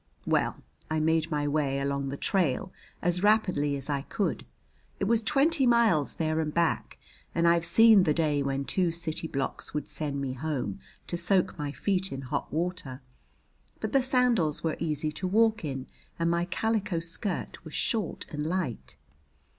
Well, I made my way along the trail as rapidly as I could. It was twenty miles there and back and I've seen the day when two city blocks would send me home to soak my feet in hot water. But the sandals were easy to walk in and my calico skirt was short and light.